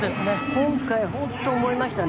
今回本当思いました。